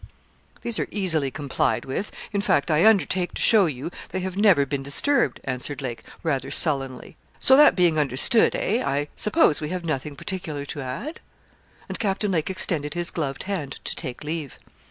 'These are easily complied with in fact I undertake to show you they have never been disturbed,' answered Lake, rather sullenly. 'So that being understood eh? I suppose we have nothing particular to add?' And Captain Lake extended his gloved hand to take leave.